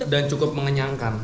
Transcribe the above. dan cukup mengenyangkan